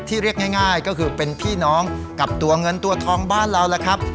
เรียกง่ายก็คือเป็นพี่น้องกับตัวเงินตัวทองบ้านเราล่ะครับ